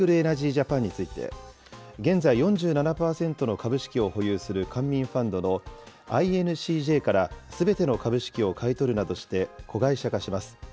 ジャパンについて、現在４７％の株式を保有する官民ファンドのＩＮＣＪからすべての株式を買い取るなどして、子会社化します。